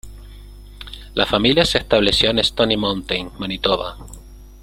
La familia se estableció en Stony Mountain, Manitoba.